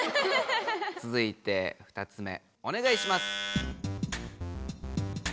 つづいて２つ目お願いします。